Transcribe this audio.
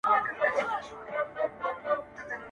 بدراتلونکی دې مستانه حال کي کړې بدل.